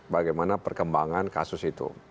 bagaimana perkembangan kasus itu